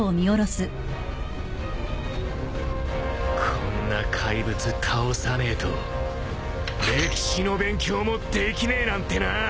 こんな怪物倒さねえと歴史の勉強もできねえなんてな！